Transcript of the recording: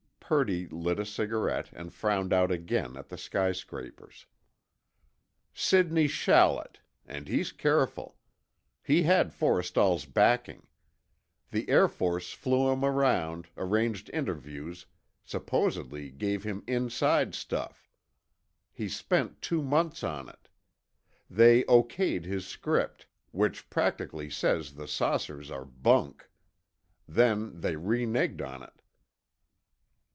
Purdy lit a cigarette and frowned out again at the skyscrapers. "Sidney Shallett—and he's careful. He had Forrestal's backing. The Air Force flew him around, arranged interviews, supposedly gave him inside stuff. He spent two months on it. They O.K.'d his script, which practically says the saucers are bunk. Then they reneged on it."